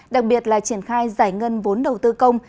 đặc biệt là triển khai giải ngân vốn đầu tư công